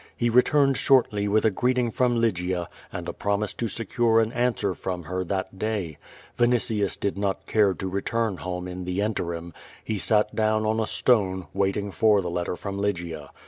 He returned shortly with a greeting from Lygia and a i)romise to secure an answer from her that day. Vini tius did not care to return home in the interim. He sat down on a stone, waiting for the letter from Lygia.